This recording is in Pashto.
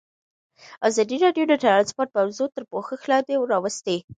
ازادي راډیو د ترانسپورټ موضوع تر پوښښ لاندې راوستې.